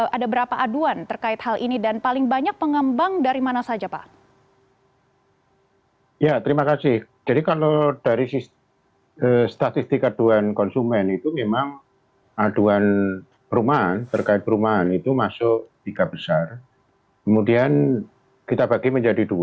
ada berapa aduan terkait hal ini dan paling banyak pengembang dari mana saja pak